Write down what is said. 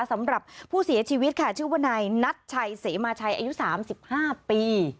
สำหรับผู้เสียชีวิตค่ะชื่อบนายนัดชัยเสมาชัยอายุสามสิบห้าปี